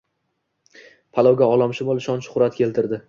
Pavlovga olamshumul shon-shuhrat keltirdi